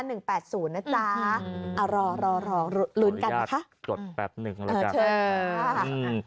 รอลุ้นกันนะคะเอาละยาดกดแป๊บหนึ่งละกันค่ะเออใช่ค่ะ